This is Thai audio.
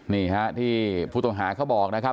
นี่ฮะที่ผู้ต้องหาเขาบอกนะครับ